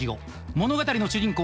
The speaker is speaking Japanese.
物語の主人公